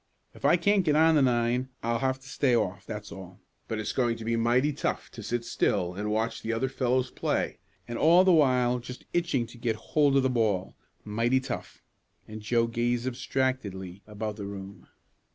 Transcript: If I can't get on the nine I'll have to stay off, that's all. But it's going to be mighty tough to sit still and watch the other fellows play, and all the while just itching to get hold of the ball mighty tough," and Joe gazed abstractedly about the room.